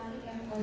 mbak nes bath